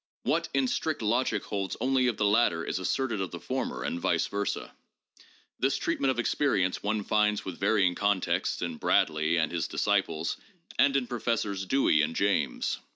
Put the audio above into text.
What in strict logic holds only of the latter is asserted of the former, and vice versa. This treatment of experience one finds with varying contexts in Bradley and his desciples and in Professors Dewey and James.